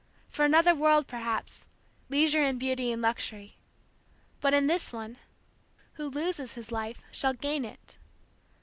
For another world, perhaps, leisure and beauty and luxury but in this one, "Who loses his life shall gain it."